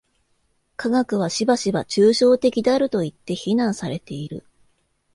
科学はしばしば抽象的であるといって非難されている。